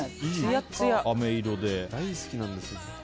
あめ色で。